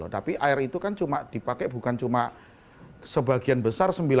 tapi air itu dipakai bukan cuma sebagian besar